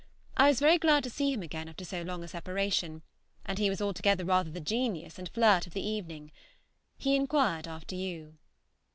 I was very glad to see him again after so long a separation, and he was altogether rather the genius and flirt of the evening. He inquired after you.